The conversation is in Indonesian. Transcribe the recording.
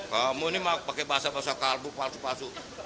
kamu ini pakai bahasa bahasa kaldu palsu palsu